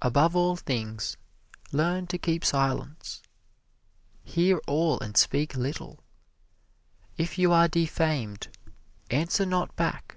Above all things, learn to keep silence hear all and speak little. If you are defamed, answer not back.